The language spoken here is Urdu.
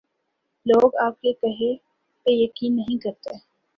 لو گ آپ کے کہے پہ یقین نہیں کرتے۔